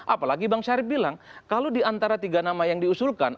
apalagi bang syarif bilang kalau diantara tiga nama yang diusulkan